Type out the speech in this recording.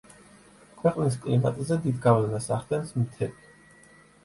ქვეყნის კლიმატზე დიდ გავლენას ახდენს მთები.